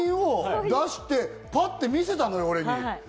って、写真を出して、パッて見せたのよ、俺に。